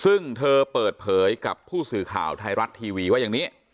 ซึ่งเธอเปิดเผยกับผู้สื่อข่าวไทยรัฐทีวีว่าอย่างนี้